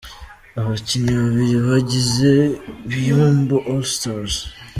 Abakinnyi bari bagize Biyombo All Stars.